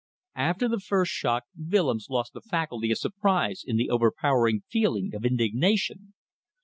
After the first shock Willems lost the faculty of surprise in the over powering feeling of indignation.